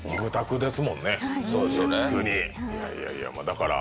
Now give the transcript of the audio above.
だから。